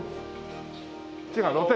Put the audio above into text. こっちが露天！